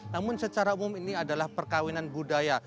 namun secara umum ini adalah perkawinan budaya